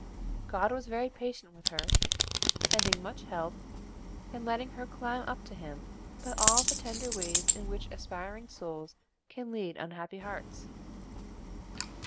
God was very patient with her, sending much help, and letting her climb up to Him by all the tender ways in which aspiring souls can lead unhappy hearts.